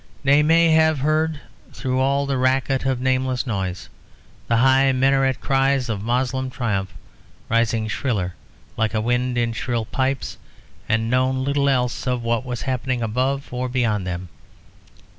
They may have heard through all the racket of nameless noises the high minaret cries of Moslem triumph rising shriller like a wind in shrill pipes, and known little else of what was happening above or beyond them.